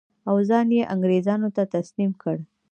او ځان یې انګرېزانو ته تسلیم کړ.